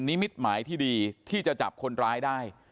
มิตหมายที่ดีที่จะจับคนร้ายได้